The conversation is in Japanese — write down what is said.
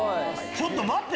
ちょっと待って！